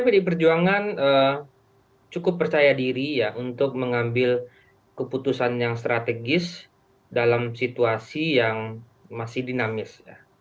pdi perjuangan cukup percaya diri untuk mengambil keputusan yang strategis dalam situasi yang masih dinamis